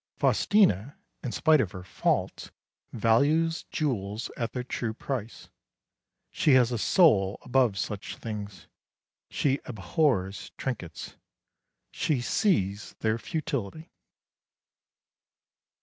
Faustina, in spite of her faults, values jewels at their true price. She has a soul above such things. She abhors trinkets. She sees their futility.